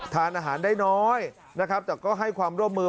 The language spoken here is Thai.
ทานอาหารได้น้อยนะครับแต่ก็ให้ความร่วมมือ